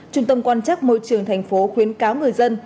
trung tâm quan chắc môi trường tp khuyến cáo người dân